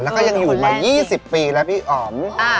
แล้วก็ยังอยู่มา๒๐ปีแล้วพี่อ๋อม